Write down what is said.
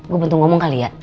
gue bantu ngomong kali ya